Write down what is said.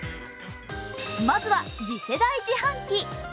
まずは次世代販売機。